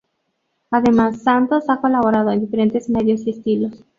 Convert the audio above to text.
Además, Santos ha colaborado en diferentes medios y estilos.